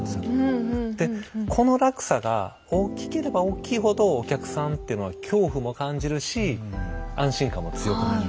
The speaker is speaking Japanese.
でこの落差が大きければ大きいほどお客さんっていうのは恐怖も感じるし安心感も強くなる。